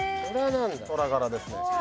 トラ柄ですね。